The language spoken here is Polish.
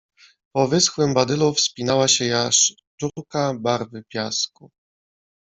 Po wyschłym badylu wspinała się jasz czurka, barwy piasku.